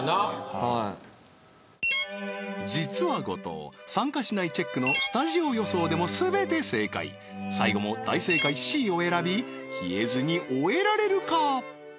はい実は後藤参加しないチェックのスタジオ予想でも全て正解最後も大正解Ｃを選び消えずに終えられるか？